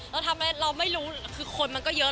เราทำอะไรเราไม่รู้คือคนมันก็เยอะ